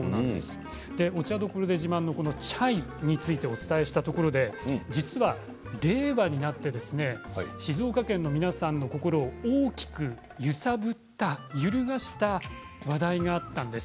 お茶所で自慢のチャイをお伝えしたところで実は令和になって静岡県の皆さんの心を大きく揺るがした話題があったんです。